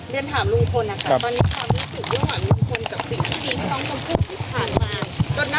เรียนถามลูกคนนะครับตอนนี้ความรู้สึกว่ามีคนกับสิ่งที่ดีของน้องสมผู้ที่ผ่านมา